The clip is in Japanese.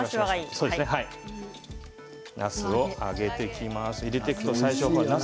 なすを揚げていきます。